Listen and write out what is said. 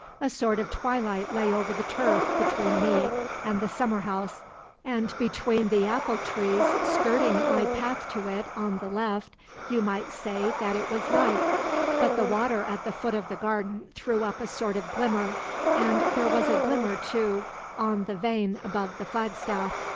A sort of twilight lay over the turf between me and the summer house, and beneath the apple trees skirting my path to it on the left you might say that it was night; but the water at the foot of the garden threw up a sort of glimmer, and there was a glimmer, too, on the vane above the flagstaff.